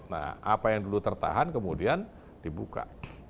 nah apa yang dulu tertahan kemudian dibuka